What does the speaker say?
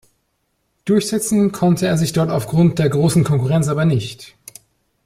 Durchsetzen konnte er sich dort aufgrund der großen Konkurrenz aber nicht.